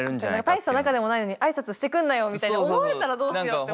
「大した仲でもないのに挨拶してくんなよ」みたいに思われたらどうしようって思うよね。